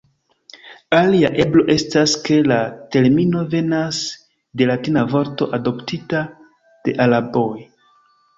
Alia eblo estas ke la termino venas de latina vorto adoptita de araboj.